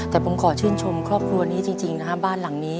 แต่ผมขอชื่นชมครอบครัวนี้จริงนะฮะบ้านหลังนี้